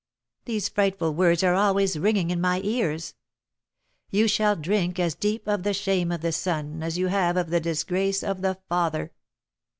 These frightful words are always ringing in my ears: 'You shall drink as deep of the shame of the son as you have of the disgrace of the father!'"